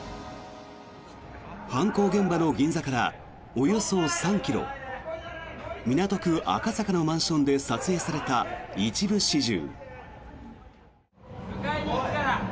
犯行現場の銀座からおよそ３ｋｍ港区赤坂のマンションで撮影された一部始終。